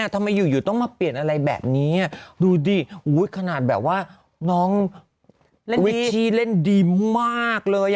ทุกคนก็พูดอย่างนี้นะ